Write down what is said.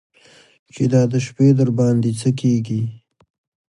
چې دا د شپې درباندې څه کېږي.